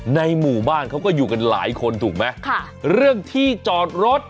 ในหมู่บ้านเขาก็อยู่กันหลายคนถูกไหมค่ะเรื่องที่จอดรถ